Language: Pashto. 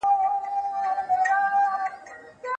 هغه ماشوم چې پښې یې ډېرې نرۍ دي دلته ناست دی.